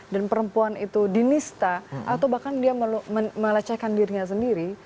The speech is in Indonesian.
dan perempuan itu dinista atau bahkan dia melecehkan dirinya sendiri